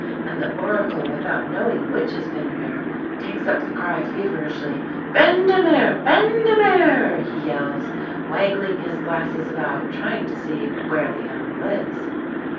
and the Oracle, without knowing which is Bendemeer, takes up the cry feverishly. "Bendemeer! Bendemeer!" he yells, waggling his glasses about, trying to see where the animal is.